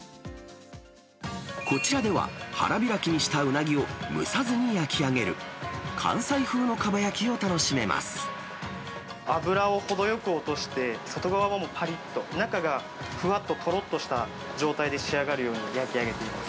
こちらでは、腹開きにしたうなぎを蒸さずに焼き上げる、脂を程よく落として、外側をぱりっと、中がふわっととろっとした状態で仕上がるように焼き上げています。